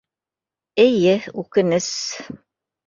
Эйе, үкенес...